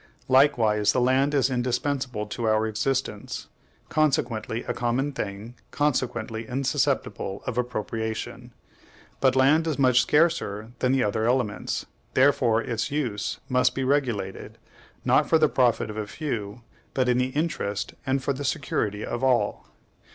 Likewise the land is indispensable to our existence, consequently a common thing, consequently insusceptible of appropriation; but land is much scarcer than the other elements, therefore its use must be regulated, not for the profit of a few, but in the interest and for the security of all.